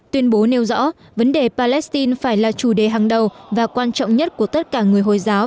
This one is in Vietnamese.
tuyên bố nêu rõ vấn đề palestine phải là chủ đề hàng đầu và quan trọng nhất của tất cả người hồi giáo